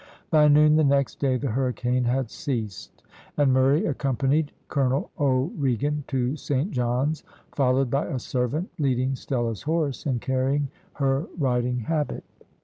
By noon the next day the hurricane had ceased, and Murray accompanied Colonel O'Regan to Saint John's, followed by a servant leading Stella's horse, and carrying her riding habit.